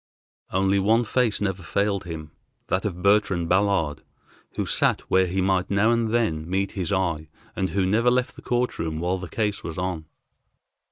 Only one face never failed him, that of Bertrand Ballard, who sat where he might now and then meet his eye, and who never left the court room while the case was on.